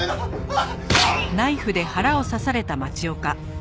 あっ！